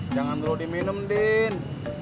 jangan terlalu diminum din